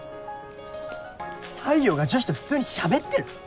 太陽が女子と普通にしゃべってる⁉